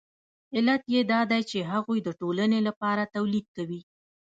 علت یې دا دی چې هغوی د ټولنې لپاره تولید کوي